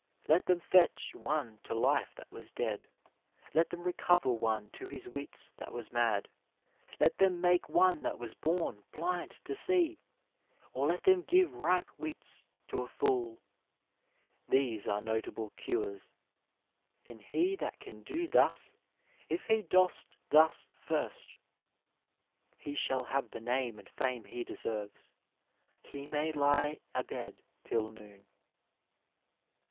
Let them fetch one to life that was dead, let them recover one to his wits that was mad, let them make one that was bom blind to see, or let them give ripe wits to a fool — ^these are notable cures, and he that can do thus, if he dost thus first, he shall have the name and fame he deserves ; he may lie abed till noon."